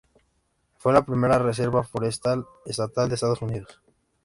Fue la primera reserva forestal estatal de Estados Unidos.